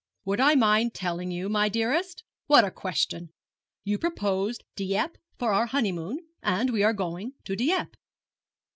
'Would I mind telling you, my dearest? What a question! You proposed Dieppe for our honeymoon, and we are going to Dieppe.'